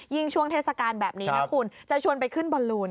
ยิ่งช่วงเทศกาลแบบนี้จะชวนไปขึ้นบอลลูน